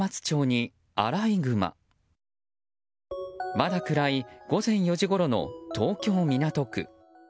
まだ暗い午前４時ごろの東京・港区。